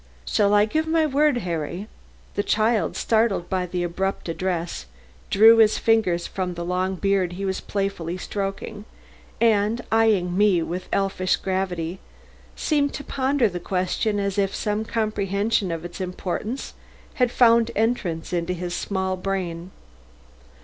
"Shall I give him my word, Harry?" The child, startled by the abrupt address, drew his fingers from the long beard he was playfully stroking and, eyeing me with elfish gravity, seemed to ponder the question as if some comprehension of its importance had found entrance into his small brain.